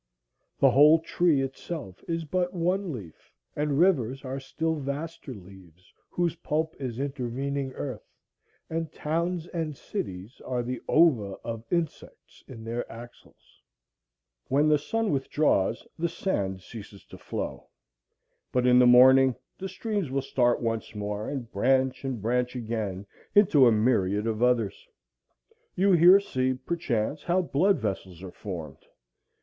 The whole tree itself is but one leaf, and rivers are still vaster leaves whose pulp is intervening earth, and towns and cities are the ova of insects in their axils. When the sun withdraws the sand ceases to flow, but in the morning the streams will start once more and branch and branch again into a myriad of others. You here see perchance how blood vessels are formed.